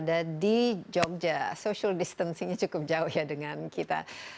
ada di jogja social distancingnya cukup jauh ya dengan kita